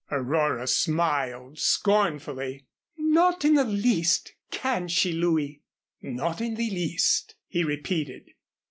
Aurora smiled scornfully. "Not in the least can she, Louis?" "Not in the least," he repeated.